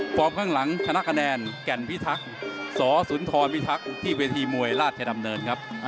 ข้างหลังชนะคะแนนแก่นพิทักษ์สสุนทรพิทักษ์ที่เวทีมวยราชดำเนินครับ